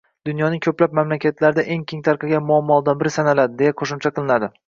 dunyoning ko‘plab mamlakatlarida eng keng tarqalgan muammolardan biri sanaladi», – deya qo‘shimcha qilinadi.